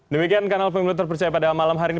demikian kanal pemilu terpercaya pada malam hari ini